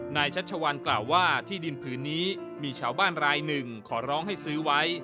ชัชวัลกล่าวว่าที่ดินผืนนี้มีชาวบ้านรายหนึ่งขอร้องให้ซื้อไว้